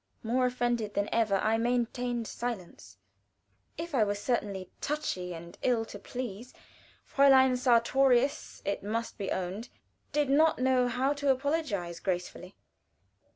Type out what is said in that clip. More offended than ever, I maintained silence. If I were certainly touchy and ill to please, Fräulein Sartorius, it must be owned, did not know how to apologize gracefully.